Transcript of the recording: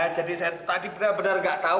jadi saya tadi benar benar gak tau